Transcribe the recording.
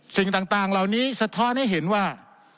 สิ่งต่างเหล่านี้สะท้อนให้เห็นว่า